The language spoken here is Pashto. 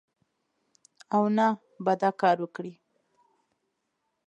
او نه به دا کار وکړي